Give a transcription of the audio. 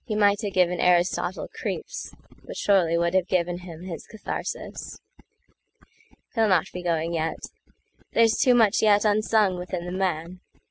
He might have given Aristotle creeps, But surely would have given him his katharsis. He'll not be going yet. There's too much yetUnsung within the man.